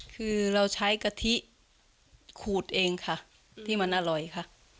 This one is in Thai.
คือเราใช้กะทิขูดเองค่ะที่มันอร่อยค่ะ